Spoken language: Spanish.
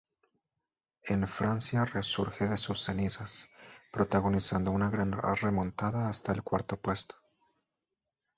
En Francia resurge de sus cenizas, protagonizando una gran remontada hasta el cuarto puesto.